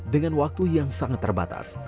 dengan waktu yang sangat terbatas